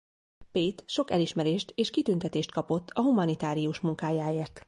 Pate sok elismerést és kitüntetést kapott a humanitárius munkájáért.